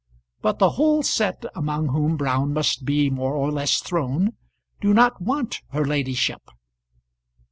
But the whole set among whom Brown must be more or less thrown do not want her ladyship.